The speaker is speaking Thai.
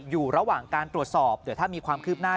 อยู่ระหว่างการตรวจสอบเดี๋ยวถ้ามีความคืบหน้า